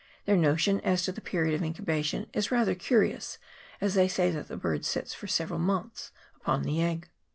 Their notion as to the period of incubation is rather curious, as they say that the bird sits for several months upon the egg.